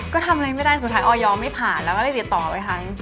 ก็ทำอะไรไม่ได้สุดท้ายออยไม่ผ่านแล้วก็ได้ติดต่อไปทั้ง